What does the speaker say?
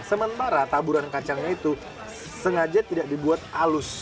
sementara taburan kacangnya itu sengaja tidak dibuat halus